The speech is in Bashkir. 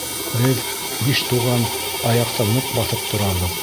Беҙ, биш туған, аяҡта ныҡ баҫып торабыҙ.